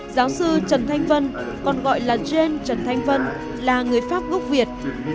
giáo sư trần thanh vân còn gọi là gen trần thanh vân là người pháp gốc việt